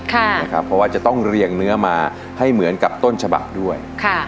เพราะว่าจะต้องเรียงเนื้อมาให้เหมือนกับต้นฉบับด้วย